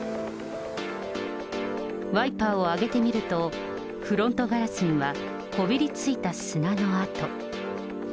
ワイパーを上げてみると、フロントガラスにはこびりついた砂の跡。